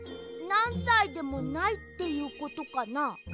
なんさいでもないっていうことかな？